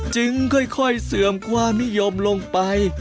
ค่อยเสื่อมความนิยมลงไป